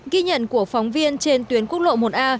ghi nhận của phóng viên trên tuyến quốc lộ một a